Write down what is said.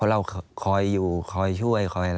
อันดับ๖๓๕จัดใช้วิจิตร